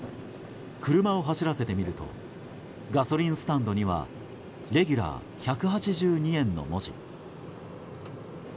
車を走らせてみるとガソリンスタンドにはレギュラー１８２円の文字。